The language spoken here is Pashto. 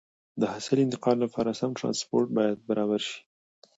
د حاصل انتقال لپاره سم ترانسپورت باید برابر شي.